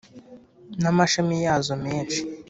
n amashami yazo menshi